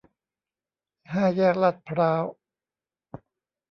ห้าแยกลาดพร้าว